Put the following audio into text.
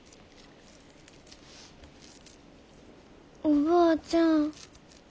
おばあちゃん。